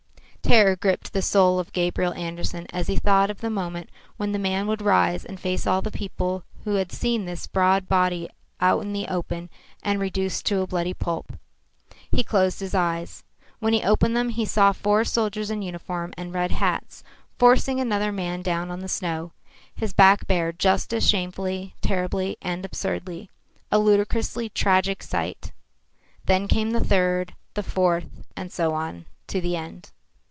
Terror gripped the soul of Gabriel Andersen as he thought of the moment when the man would rise and face all the people who had seen his body bared out in the open and reduced to a bloody pulp. He closed his eyes. When he opened them, he saw four soldiers in uniform and red hats forcing another man down on the snow, his back bared just as shamefully, terribly and absurdly a ludicrously tragic sight. Then came the third, the fourth, and so on, to the end.